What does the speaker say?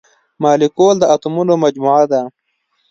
مالیکول د اتومونو مجموعه ده.